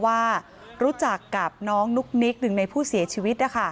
ว่ารู้จักกับน้องนุ๊กนิกหนึ่งในผู้เสียชีวิต